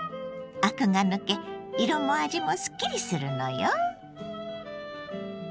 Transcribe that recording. アクが抜け色も味もすっきりするのよ。